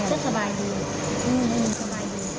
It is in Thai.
สบายดี